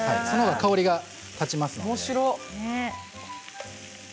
そのほうが香りが立ちます。